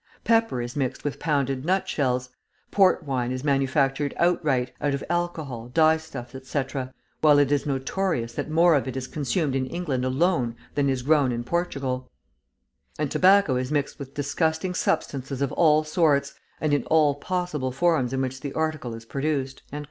Pepper is mixed with pounded nutshells; port wine is manufactured outright (out of alcohol, dye stuffs, etc.), while it is notorious that more of it is consumed in England alone than is grown in Portugal; and tobacco is mixed with disgusting substances of all sorts and in all possible forms in which the article is produced."